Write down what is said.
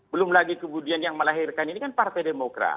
belum lagi kemudian yang melahirkan ini kan partai demokrat